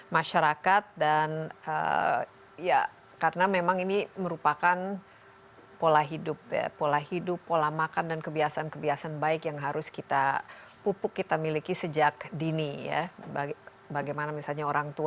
masih jauh dari harapan